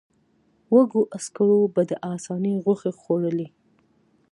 وږو عسکرو به د آسونو غوښې خوړلې.